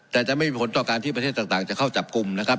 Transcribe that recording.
แต่จะไม่มีผลต่อการที่ประเทศต่างจะเข้าจับกลุ่มนะครับ